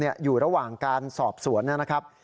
อยู่ระหว่างการสอบสวนนะครับ